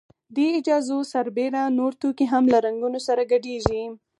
دې اجزاوو سربېره نور توکي هم له رنګونو سره ګډیږي.